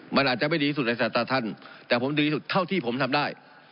มันอาจจะไม่ดีที่สุดในสายตาท่านแต่ผมดีสุดเท่าที่ผมทำได้